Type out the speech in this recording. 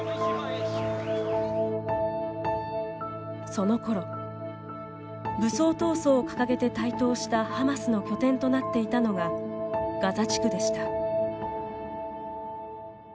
そのころ武装闘争を掲げて台頭したハマスの拠点となっていたのがガザ地区でした。